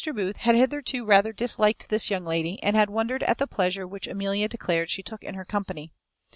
Booth had hitherto rather disliked this young lady, and had wondered at the pleasure which Amelia declared she took in her company.